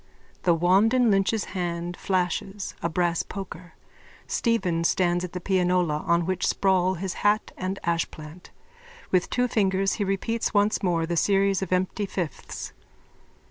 _(The wand in Lynch's hand flashes: a brass poker. Stephen stands at the pianola on which sprawl his hat and ashplant. With two fingers he repeats once more the series of empty fifths.